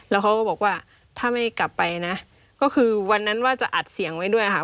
แล้วเขาก็บอกว่าถ้าไม่กลับไปนะก็คือวันนั้นว่าจะอัดเสียงไว้ด้วยค่ะ